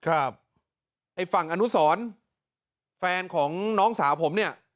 ไอ้ฝั่งอนุสรแฟนของน้องสาวผมเนี่ย